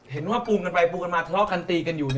เห็นว่าปุ่มกันไปปุ่มกันมาทะเลาะกันตีกันอยู่